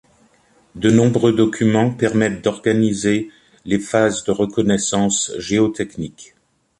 De nombreux documents permettent d'organiser les phases de reconnaissances géotechnique.